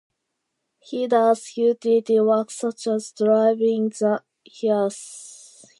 He does "utility" work such as driving the hearse.